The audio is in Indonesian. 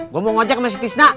gue mau ngajek sama si tisna